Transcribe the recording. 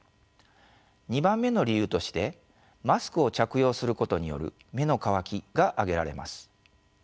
２番目の理由としてマスクを着用することによる目の乾きが挙げられます。